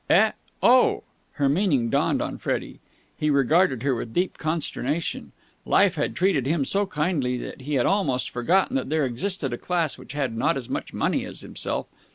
"Eh? Oh!" Her meaning dawned upon Freddie. He regarded her with deep consternation. Life had treated him so kindly that he had almost forgotten that there existed a class which had not as much money as himself.